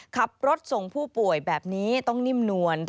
ขับรถส่งผู้ป่วยแบบนี้ต้องนิ่มนวล